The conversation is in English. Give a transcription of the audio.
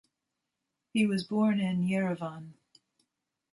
He was born in Yerevan.